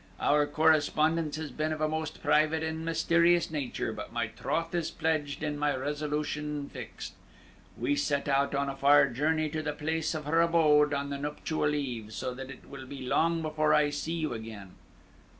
Our correspondence has been of a most private and mysterious nature; but my troth is pledged, and my resolution fixed. We set out on a far journey to the place of her abode on the nuptial eve, so that it will be long before I see you again.